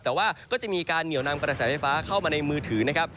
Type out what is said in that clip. แต่ว่าก็จะมีการเหนียวนำกระแสไฟฟ้าเข้ามาในมือถือนะครับ